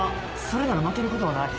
それなら負けることはない。